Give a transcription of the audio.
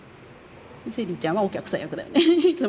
セリちゃんはお客さん役だよねいつも。